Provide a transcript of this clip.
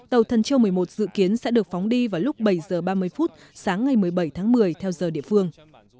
tàu thân châu một mươi một dự kiến sẽ được phóng đi vào lúc bảy h ba mươi phút sáng ngày một mươi bảy tháng một mươi theo giờ địa phương